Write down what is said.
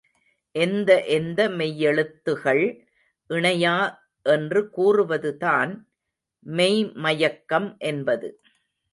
எந்த எந்த மெய்யெழுத்துகள் இணையா என்று கூறுவதுதான் மெய்ம்மயக்கம் என்பது.